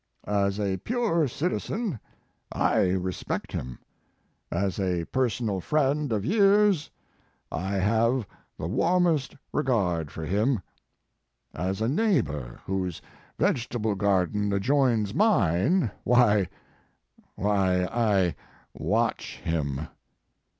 As a pure citizen, I respect him; as a personal friend of years, I have the warmest re gard for him; as a neighbor, whose vege His Life and Work. 131 table garden adjoins mine, why why, I watch him.